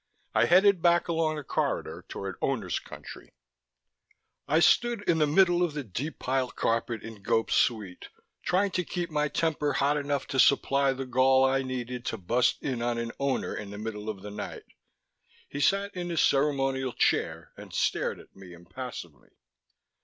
I headed back along the corridor toward Owners' country. I stood in the middle of the deep pile carpet in Gope's suite, trying to keep my temper hot enough to supply the gall I needed to bust in on an Owner in the middle of the night. He sat in his ceremonial chair and stared at me impassively.